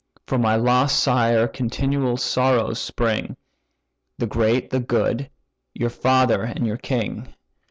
For my lost sire continual sorrows spring, The great, the good; your father and your king.